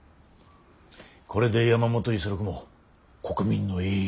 これで山本五十六も国民の英雄だ。